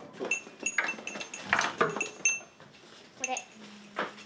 これ。